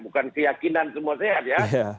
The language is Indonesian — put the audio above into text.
bukan keyakinan semua sehat ya